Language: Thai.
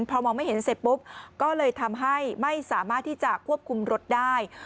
พอมองไม่เห็นเสร็จปุ๊บก็เลยทำให้ไม่สามารถที่จะควบคุมรถได้